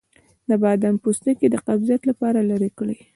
د بادام پوستکی د قبضیت لپاره لرې کړئ